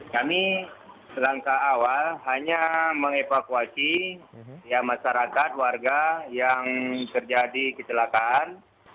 kami langkah awal hanya mengevakuasi masyarakat warga yang terjadi kecelakaan